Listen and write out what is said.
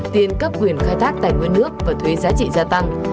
tiền cấp quyền khai thác tài nguyên nước và thuế giá trị gia tăng